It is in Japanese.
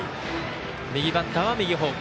右バッターは右方向